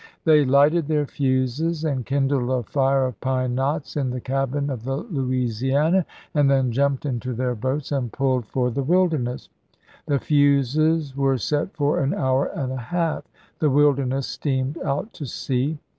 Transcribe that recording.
They lighted their fuses, and kindled a fire of pine knots in the cabin of the Louisiana, and then jumped into their boats and pulled for the Wilderness, The fuses were set for an hour and a half; the Wilderness steamed out to sea.